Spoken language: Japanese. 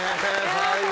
最後。